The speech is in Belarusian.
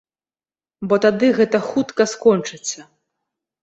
Бо тады гэта хутка скончыцца.